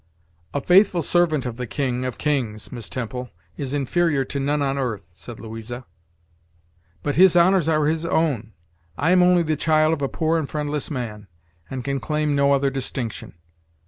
"A faithful servant of the King of kings, Miss Temple, is inferior to none on earth," said Louisa; "but his honors are his own; I am only the child of a poor and friendless man, and can claim no other distinction.